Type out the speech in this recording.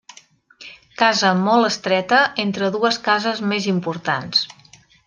Casa molt estreta entre dues cases més importants.